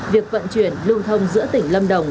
việc vận chuyển lưu thông giữa tỉnh lâm đồng